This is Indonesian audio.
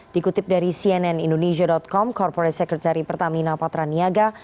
dikutip dari cnn indonesia com corporate secretary pertamina patraniaga